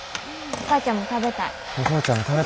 お父ちゃんも食べたいわ。